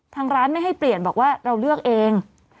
ทางร้านไม่ให้เปลี่ยนบอกว่าเราเลือกเอง